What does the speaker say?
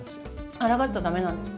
あらがっちゃ駄目なんですか？